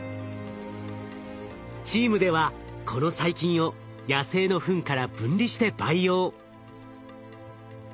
チームではこの細菌を野生のフンから分離して培養。